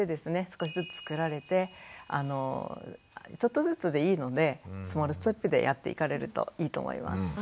少しずつつくられてちょっとずつでいいのでスモールステップでやっていかれるといいと思います。